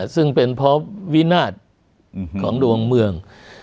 ซึ่งเป็นเพราะวินาศของดวงเมือง